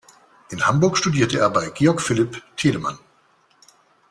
In Hamburg studierte er bei Georg Philipp Telemann.